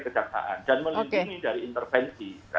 kejaksaan dan melindungi dari intervensi